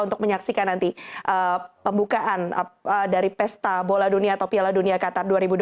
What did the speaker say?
untuk menyaksikan nanti pembukaan dari pesta bola dunia atau piala dunia qatar dua ribu dua puluh